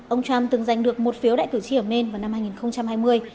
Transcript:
ông trump từng giành được một phiếu đại cử tri ở maine vào năm hai nghìn hai mươi